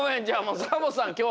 じゃあサボさん